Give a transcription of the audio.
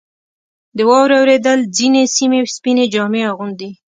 • د واورې اورېدل ځینې سیمې سپینې جامې اغوندي.